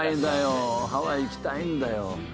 ハワイ行きたいんだよ。